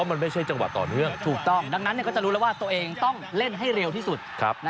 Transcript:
เพื่อที่จะยิงให้ทัน